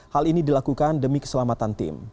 hal ini dilakukan demi keselamatan tim